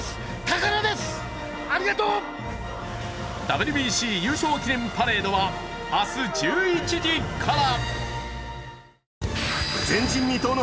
ＷＢＣ優勝記念パレードは明日１１時から！